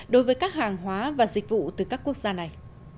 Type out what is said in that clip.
đối với các hàng hóa và dịch vụ từ các quốc gia này